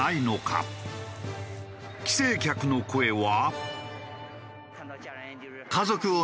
帰省客の声は。